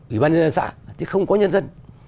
ủy ban nhân dân xã chứ không có nhân dân